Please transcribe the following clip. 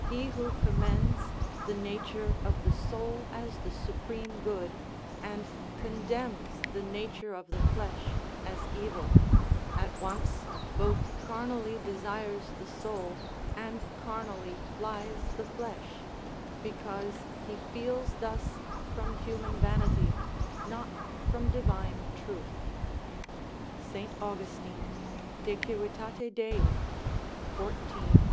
["He who commends the nature of the soul as the supreme good, and condemns the nature of the flesh as evil, at once both carnally desires the soul, and carnally flies the flesh, because he feels thus from human vanity, not from divine truth." St. Augustin, De Civit. Dei, xiv. 5.